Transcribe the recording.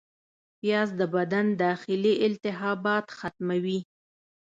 پیاز د بدن داخلي التهابات ختموي